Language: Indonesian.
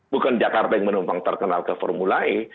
bukan jakarta yang menumpang terkenal ke formula e